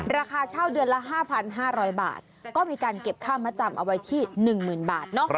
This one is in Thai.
ราคาเช่าเดือนละ๕๕๐๐บาทก็มีการเก็บค่ามาจำเอาไว้ที่๑๐๐๐บาท